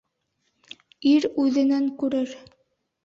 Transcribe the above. Ир үҙенән күрер